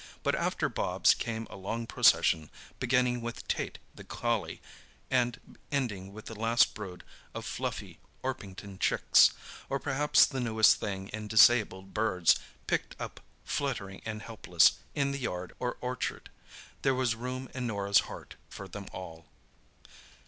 But after Bobs came a long procession, beginning with Tait, the collie, and ending with the last brood of fluffy Orpington chicks, or perhaps the newest thing in disabled birds, picked up, fluttering and helpless, in the yard or orchard. There was room in Norah's heart for them all.